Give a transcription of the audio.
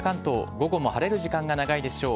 午後も晴れる時間が長いでしょう。